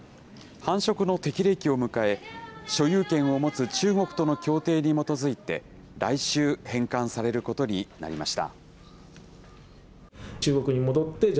繁殖の適齢期を迎え、所有権を持つ中国との協定に基づいて来週、返還されることになりました。